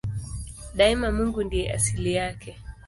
Daima Mungu ndiye asili yake.